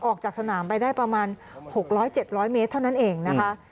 ออกจากสนามไปได้ประมาณหกร้อยเจ็ดร้อยเมตรเท่านั้นเองนะคะ